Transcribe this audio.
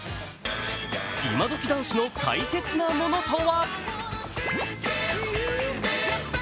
今どき男子の大切なものとは？